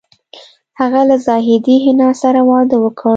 هغه له زاهدې حنا سره واده وکړ